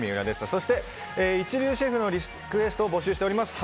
そして一流シェフのリクエストを募集しております。